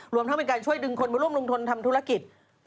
รวมทั้งเป็นการช่วยดึงคนมาร่วมลงทุนทำธุรกิจ